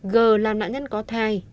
g làm nạn nhân có thai